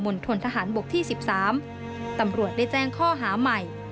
ณฑนทหารบกที่๑๓ตำรวจได้แจ้งข้อหาใหม่